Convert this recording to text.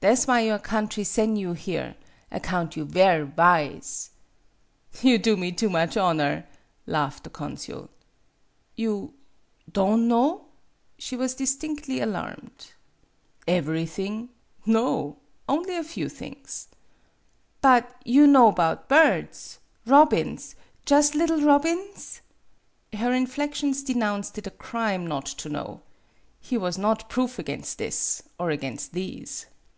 Tha' 's why your country sen' you here account you ver' wise." "You do me too much honor," laughed the consul. '' You don' know ?" She was distinctly alarmed. 48 MADAME BUTTERFLY "Everything? No; only a few things." '"Bw/you know 'bout birds robins jus' liddle robins ?" Her inflections denounced it a crime not to know. He was not proof against this, or against these.